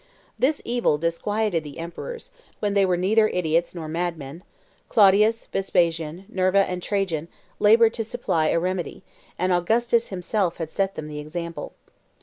This evil disquieted the emperors, when they were neither idiots nor madmen; Claudius, Vespasian, Nerva, and Trajan labored to supply a remedy, and Augustus himself had set them the example.